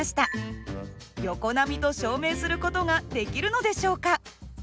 横波と証明する事ができるのでしょうか？